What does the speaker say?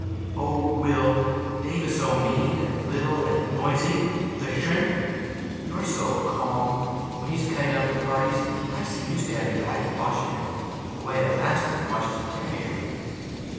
"O Will, Dave is so mean and little and noisy the shrimp! You're so calm. When he's cutting up at parties I see you standing back and watching him the way a mastiff watches a terrier."